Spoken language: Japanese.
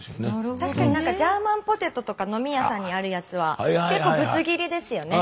確かにジャーマンポテトとか飲み屋さんにあるやつは結構ぶつ切りですよね。